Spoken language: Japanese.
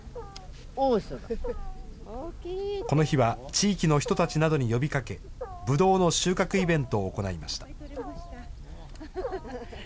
この日は、地域の人たちなどに呼びかけ、ブドウの収穫イベントを行いました。